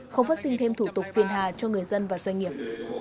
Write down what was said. không phát sinh thêm thủ tục phiền hà cho người dân và doanh nghiệp